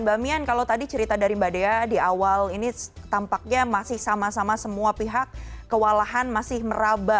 mbak mian kalau tadi cerita dari mbak dea di awal ini tampaknya masih sama sama semua pihak kewalahan masih meraba